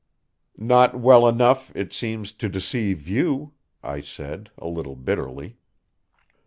"Not well enough, it seems, to deceive you," I said, a little bitterly.